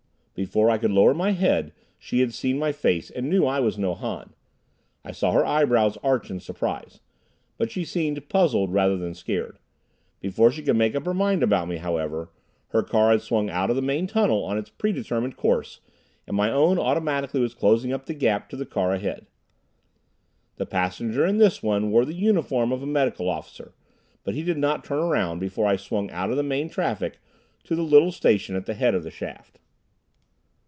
Before I could lower my head she had seen my face, and knew I was no Han. I saw her eyebrows arch in surprise. But she seemed puzzled rather than scared. Before she could make up her mind about me, however, her car had swung out of the main tunnel on its predetermined course, and my own automatically was closing up the gap to the car ahead. The passenger in this one wore the uniform of a medical officer, but he did not turn around before I swung out of main traffic to the little station at the head of the shaft.